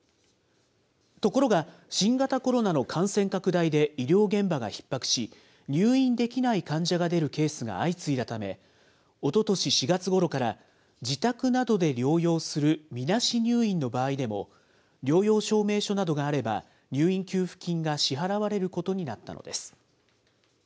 ところが、新型コロナの感染拡大で医療現場がひっ迫し、入院できない患者が出るケースが相次いだため、おととし４月ごろから、自宅などで療養するみなし入院の場合でも、療養証明書などがあれば、入院給付金が支払われることになったのです。